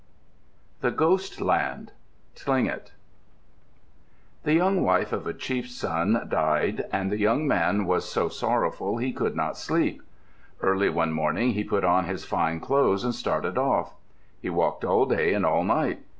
THE GHOST LAND Tlingit The young wife of a chief's son died and the young man was so sorrowful he could not sleep. Early one morning he put on his fine clothes and started off. He walked all day and all night.